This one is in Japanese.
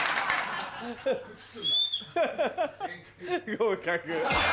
合格。